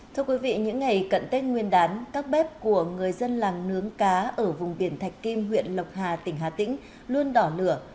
thưa quý vị những ngày cận tết nguyên đán các bếp của người dân làng nướng cá ở vùng biển thạch kim huyện lộc hà tỉnh hà tĩnh luôn đỏ lửa